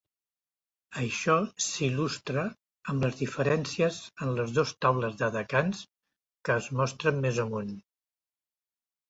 Això s'il·lustra amb les diferències en les dos taules de "decans" que es mostren més amunt.